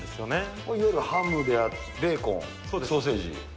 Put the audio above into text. これいわゆるハムであったりベーコン、ソーセージ。